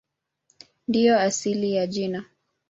Ndiyo asili ya jina.